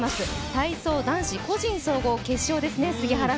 体操男子個人総合化粧ですね。